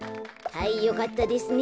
はいよかったですね。